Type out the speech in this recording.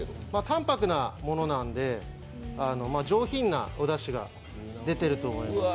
淡泊なものなんで上品なおだしが出てると思います。